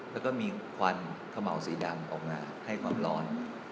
แล้วก็มีควันขม่าวสีดำออกมาให้ความร้อน